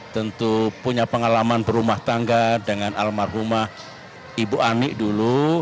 tentu punya pengalaman berumah tangga dengan almarhumah ibu ani dulu